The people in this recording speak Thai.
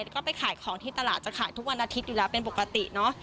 ก็ไปขายของที่ตลาดจะขายทุกวันอาทิตย์อยู่แล้วเป็นปกติเนอะ